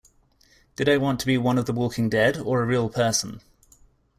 Did I want to be one of the walking dead or a real person?